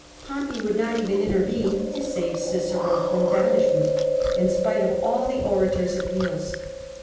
Pompey would not even intervene to save Cicero from banishment, in spite of all the orator's appeals.